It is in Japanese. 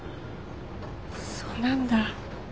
そうなんだ。